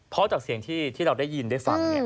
เพราะจากเสียงที่เราได้ยินได้ฟัง